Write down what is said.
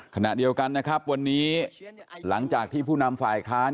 ขณะเดียวกันนะครับวันนี้หลังจากที่ผู้นำฝ่ายค้าน